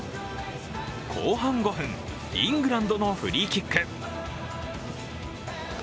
後半５分、イングランドのフリーキック。